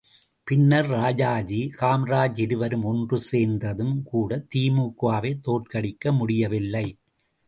பின்னர் ராஜாஜி காமராஜ் இருவரும் ஒன்று சேர்ந்தும்கூட தி.மு.க வைத் தோற்கடிக்க முடியவில்லை.